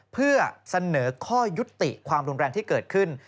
เพื่อเสนอข้อยุติความรุนแรงที่เกิดขึ้น